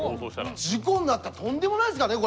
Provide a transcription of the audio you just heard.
事故になったらとんでもないですからね